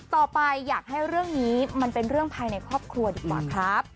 ต่อไปอยากให้เรื่องนี้มันเป็นเรื่องภายในครอบครัวดีกว่าครับ